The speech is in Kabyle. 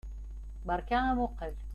Beṛka amuqqel!